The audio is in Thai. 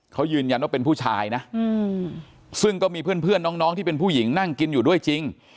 เขายืนยันว่าเป็นผู้ชายนะซึ่งก็มีเพื่อนน้องที่เป็นผู้หญิงนั่งกินอยู่ด้วยจริง